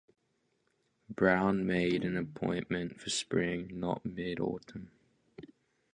Brown made an appointment for spring, not mid-autumn.